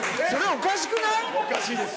おかしいです。